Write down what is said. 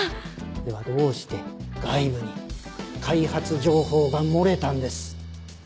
ではどうして外部に開発情報が漏れたんです？